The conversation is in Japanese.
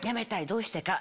どうしてか？